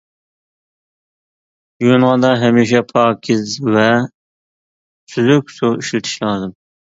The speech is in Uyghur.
يۇيۇنغاندا ھەمىشە پاكىز ۋە سۈزۈك سۇ ئىشلىتىش لازىم.